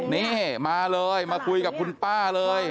นี่มาเลยมาคุยกับคุณป้าเลย